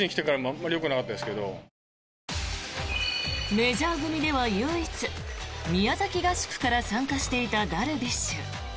メジャー組では唯一宮崎合宿から参加していたダルビッシュ。